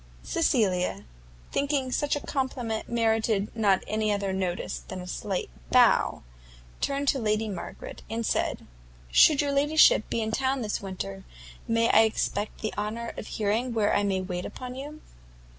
Cecilia, thinking such a compliment merited not any other notice than a slight bow, turned to Lady Margaret, and said, "Should your ladyship be in town this winter, may I expect the honour of hearing where I may wait upon you?"